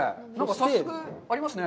早速ありますね。